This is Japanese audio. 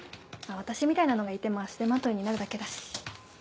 私みたいなのがいても足手まといになるだけだし。